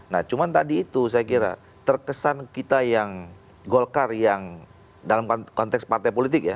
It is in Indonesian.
nah cuma tadi itu saya kira terkesan kita yang golkar yang dalam konteks partai politik ya